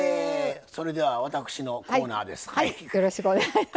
それでは私のコーナーです。